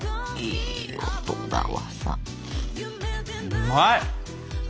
うまい！